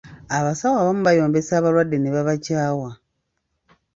Abasawo abamu bayombesa abalwadde ne babakyawa.